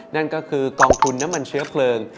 นั่นก็คือกองทุนน้ำมันเชื้อเพลิง